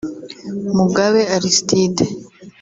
Mugabe Arstide